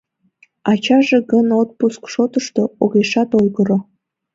Ачаже гын отпуск шотышто огешат ойгыро.